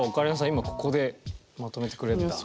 今ここでまとめてくれるんだ。